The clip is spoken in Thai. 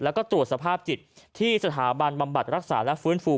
แล้วก็ตรวจสภาพจิตที่สถาบันบำบัดรักษาและฟื้นฟู